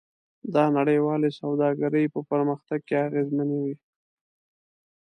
دا نړیوالې سوداګرۍ په پرمختګ کې اغیزمن وي.